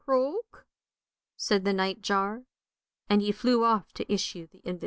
" Croak," said the night jar, and he flew off to issue the invitations.